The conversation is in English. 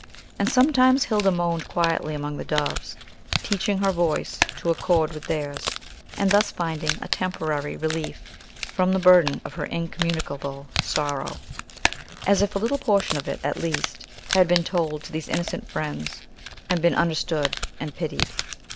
And sometimes Hilda moaned quietly among the doves, teaching her voice to accord with theirs, and thus finding a temporary relief from the burden of her incommunicable sorrow, as if a little portion of it, at least, had been told to these innocent friends, and been understood and pitied.